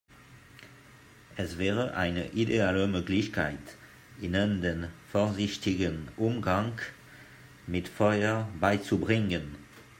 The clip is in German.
Es wäre eine ideale Möglichkeit, ihnen den vorsichtigen Umgang mit Feuer beizubringen.